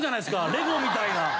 レゴみたいな。